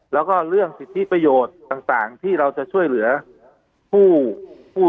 แล้วก็เรื่องสิทธิประโยชน์ต่างที่เราจะช่วยเหลือผู้